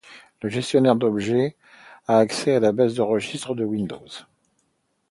Le gestionnaire d'objets a accès à la base de registre de Windows.